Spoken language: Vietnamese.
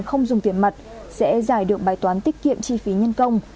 không dùng tiền mặt sẽ giải được bài toán tiết kiệm chi phí nhân công